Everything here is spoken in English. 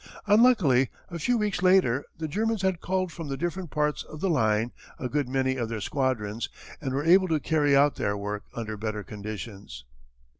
Unluckily, a few weeks later the Germans had called from the different parts of the line a good many of their squadrons, and were able to carry out their work under better conditions.